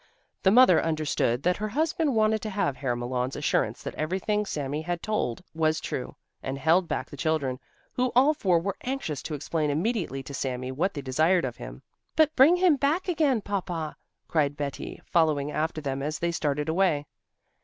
The mother understood that her husband wanted to have Herr Malon's assurance that everything Sami had told was true, and held back the children, who all four were anxious to explain immediately to Sami what they desired of him. "But bring him back again, Papa!" cried Betti following after them as they started away.